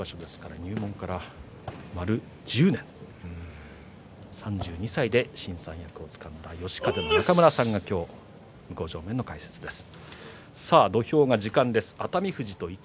入門から丸１０年３２歳で新三役をつかんだ嘉風の中村さんが向正面の解説です。